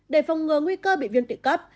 để phòng ngừa nguy cơ bị viên tụy cấp